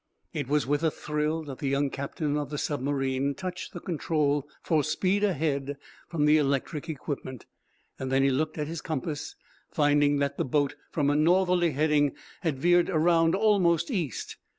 It was with a thrill that the young captain of the submarine touched the control for speed ahead from the electric equipment. Then he looked at his compass, finding that the boat, from a northerly heading, had veered around almost east.